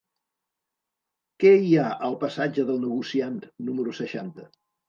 Què hi ha al passatge del Negociant número seixanta?